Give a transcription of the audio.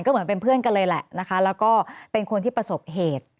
เหมือนเป็นเพื่อนกันเลยแหละนะคะแล้วก็เป็นคนที่ประสบเหตุ